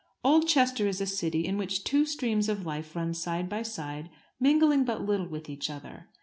Oldchester is a city in which two streams of life run side by side, mingling but little with each other.